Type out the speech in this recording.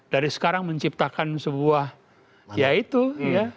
dari sekarang menciptakan sebuah ya itu ya